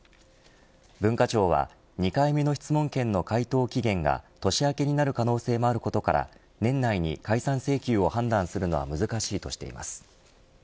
文化庁は２回目の質問権の回答期限が年明けになる可能性もあることから年内に解散請求を判断するのは難しいとしています。